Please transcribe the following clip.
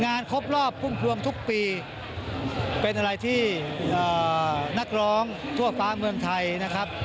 ครบรอบพุ่มพวงทุกปีเป็นอะไรที่นักร้องทั่วฟ้าเมืองไทยนะครับ